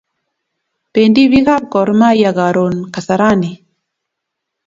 Pendi pik ab Gor mahia karun kasarani